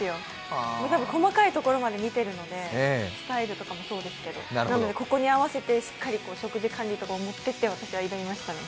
細かいところまで見ているのでスタイルとかもそうですけど、なのでここに合わせてしっかり食事管理とかをして挑みましたね。